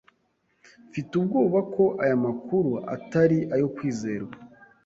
Mfite ubwoba ko aya makuru atari ayo kwizerwa.